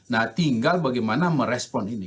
nah tinggal bagaimana merespon ini